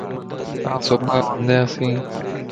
آن صبح وندياسين